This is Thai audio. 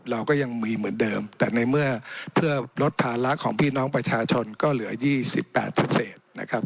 เราก็ยังมีเหมือนเดิมแต่ในเมื่อเพื่อลดภาระของพี่น้องประชาชนก็เหลือ๒๘นะครับ